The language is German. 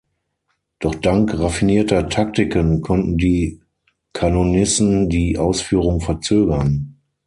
Doch dank raffinierter Taktiken konnten die Kanonissen die Ausführung verzögern.